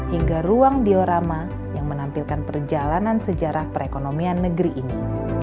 hingga ruang diorama yang menampilkan perjalanan sejarah perekonomian negeri ini